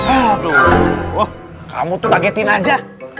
aduh kamu tuh targetin aja